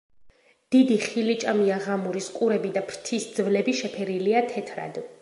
დიდი ხილიჭამია ღამურის ყურები და ფრთის ძვლები შეფერილია თეთრად.